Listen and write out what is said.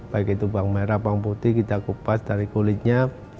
baik itu bawang merah bawang putih kita kupas dari kulitnya